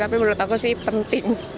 tapi menurut aku sih penting